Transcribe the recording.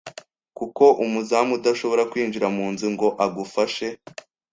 kuko umuzamu adashobora kwinjira mu nzu ngo agufashe.